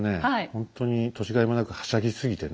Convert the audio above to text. ほんとに年がいもなくはしゃぎすぎてね